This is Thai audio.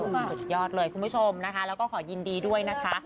สุดยอดเลยคุณผู้ชมนะคะแล้วก็ขอยินดีด้วยนะคะ